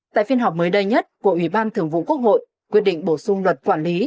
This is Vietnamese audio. tại phiên họp mới đây nhất của ủy ban thường vụ quốc hội quyết định bổ sung luật quản lý